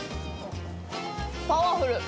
パワフル。